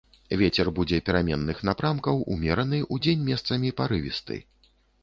Вецер будзе пераменных напрамкаў, умераны, удзень месцамі парывісты.